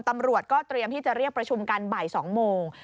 ตำรวจก็เตรียมที่จะเรียกประชุมกันบ่าย๒โมง